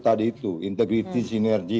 tadi itu integrity sinergi